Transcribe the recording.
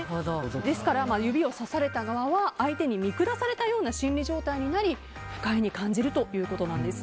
ですから、指をさされた側は相手に見下されたような心理状態になり不快に感じるということなんです。